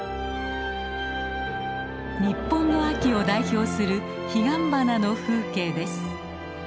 日本の秋を代表するヒガンバナの風景です。